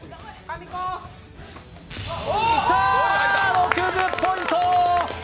６０ポイント。